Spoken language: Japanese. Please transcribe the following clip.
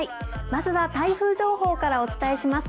まずは台風情報からお伝えします。